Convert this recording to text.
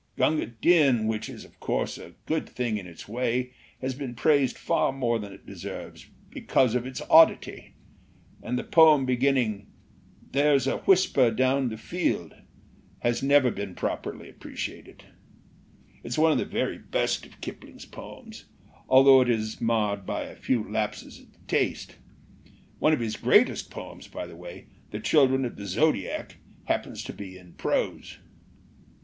Gunga Din, which is, of course, a good thing in its way, has been praised far more than it deserves, because of its oddity. And the poem beginning 'There's a whisper down the field ' has never been properly appreciated. It's one of the very best of Kip ling's poems, although it is marred by a few lapses of taste. One of his greatest poems, by the way, The Children of the Zodiac, happens to be in prose.